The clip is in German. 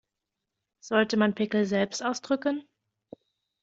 Sollte man Pickel selbst ausdrücken?